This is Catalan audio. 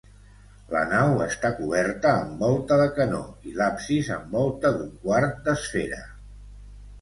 La nau està coberta amb volta de canó i l'absis amb volta d'un quart d'esfera.